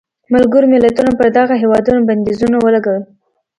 ملګرو ملتونو پر دغه هېواد بندیزونه ولګول.